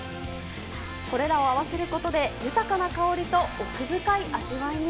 これらを合わせることで豊かな香りと奥深い味わいに。